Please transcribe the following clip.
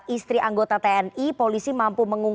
istri anggota tni polisi mampu mengungkapkan